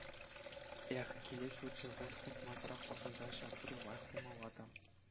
Эх, килӗ-ҫурчӗ вут хутмасӑрах ӑшӑнсан ҫав тери лайӑх пулмалла та.